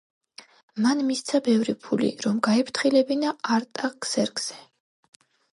მან მისცა ბევრი ფული, რომ გაეფრთხილებინა არტაქსერქსე.